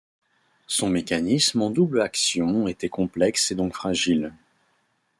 Son mécanisme en double action était complexe et donc fragile.